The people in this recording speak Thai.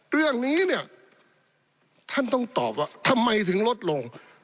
เรื่องนี้เนี่ยท่านต้องตอบว่าทำไมถึงลดลง